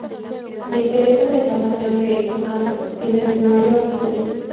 El período de floración de estas plantas se extiende desde mayo hasta julio.